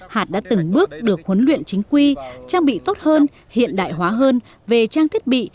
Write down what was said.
hạt đã từng bước được huấn luyện chính quy trang bị tốt hơn hiện đại hóa hơn về trang thiết bị